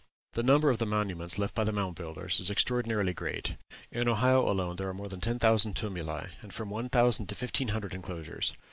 The number of monuments left by the Mound Builders is extraordinarily great. In Ohio alone there are more than ten thousand tumuli, and from one thousand to fifteen hundred enclosures.